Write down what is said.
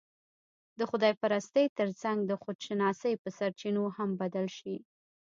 د خدا پرستۍ تر څنګ، د خودشناسۍ په سرچينو هم بدل شي